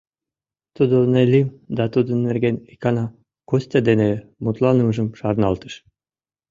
Тудо Неллим да тудын нерген икана Костя дене мутланымыжым шарналтыш.